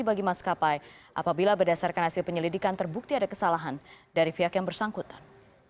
bagi maskapai apabila berdasarkan hasil penyelidikan terbukti ada kesalahan dari pihak yang bersangkutan